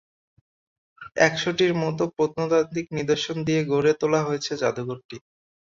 একশ’টির মতো প্রত্নতাত্ত্বিক নিদর্শন নিয়ে গড়ে তোলা হয়েছে জাদুঘরটি।